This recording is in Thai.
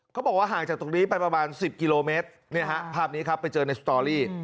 เขาบอกว่าห่างจากตรงนี้ไปประมาณ๑๐กิโลเมตรภาพนี้ครับไปเจอในสตอรี่